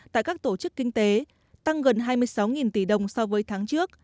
tại các tổ chức kinh tế tăng gần hai mươi sáu tỷ đồng so với tháng trước